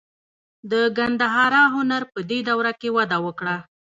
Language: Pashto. د ګندهارا هنر په دې دوره کې وده وکړه.